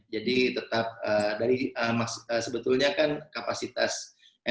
jadi tetap dari sebetulnya kan kapasitasnya